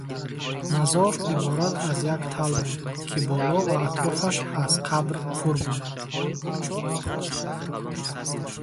Мазор иборат аз як тал буд, ки боло ва атрофаш аз қабр пур буд.